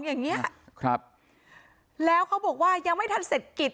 อย่างเงี้ยครับแล้วเขาบอกว่ายังไม่ทันเสร็จกิจ